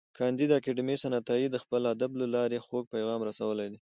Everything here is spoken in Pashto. کانديد اکاډميسن عطایي د خپل ادب له لارې خوږ پیغام رسولی دی.